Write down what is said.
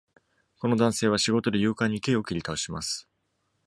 この男性は仕事で勇敢に木を切り倒します。